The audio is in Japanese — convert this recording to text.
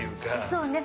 そうね